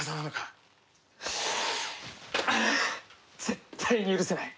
絶対に許せない！